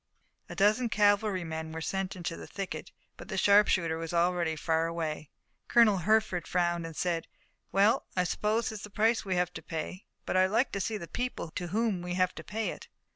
A dozen cavalrymen were sent into the thicket, but the sharpshooter was already far away. Colonel Hertford frowned and said: "Well, I suppose it's the price we have to pay, but I'd like to see the people to whom we have to pay it."